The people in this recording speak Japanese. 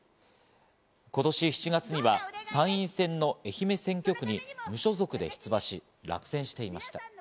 今年７月には参院選の愛媛選挙区に無所属で出馬し、落選していました。